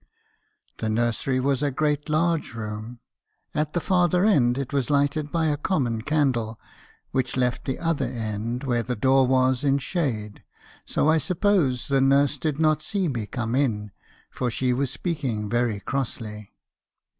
"The nursery was a great large room. At the farther end it was lighted by a common candle, which left the other end, where the door was, in shade, so I suppose the nurse did not see me come in, for she was speaking very crossly.